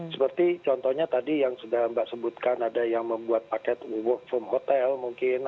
seperti contohnya tadi yang sudah mbak sebutkan ada yang membuat paket work from hotel mungkin